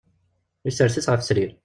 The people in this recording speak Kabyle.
Yessers-itt ɣef srir.